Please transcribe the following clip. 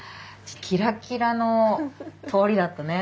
キラキラの通りだったね。